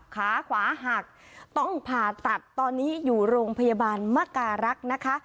ขาขวาหักต้องผ่าตัดตอนนี้อยู่โรงพยาบาลมการรักษ์นะคะ